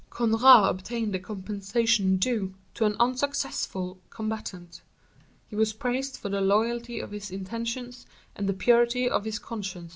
Conrart obtained the compensation due to an unsuccessful combatant; he was praised for the loyalty of his intentions, and the purity of his conscience.